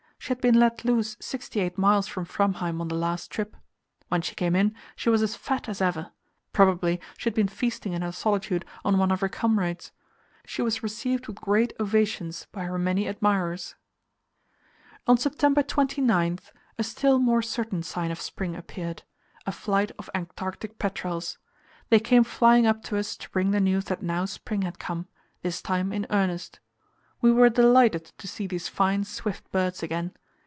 She had been let loose sixty eight miles from Framheim on the last trip. When she came in, she was as fat as ever; probably she had been feasting in her solitude on one of her comrades. She was received with great ovations by her many admirers. On September 29 a still more certain sign of spring appeared a flight of Antarctic petrels. They came flying up to us to bring the news that now spring had come this time in earnest. We were delighted to see these fine, swift birds again.